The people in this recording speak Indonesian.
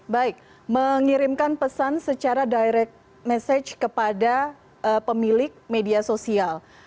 baik mengirimkan pesan secara direct message kepada pemilik media sosial